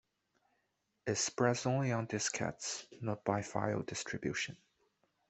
It spreads only on diskettes, not by file distribution.